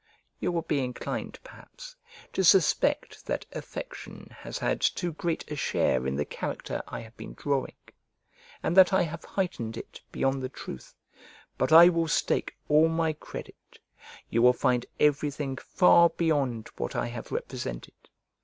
You will be inclined, perhaps, to suspect that affection has had too great a share in the character I have been drawing, and that I have heightened it beyond the truth: but I will stake all my credit, you will find everything far beyond what I have represented.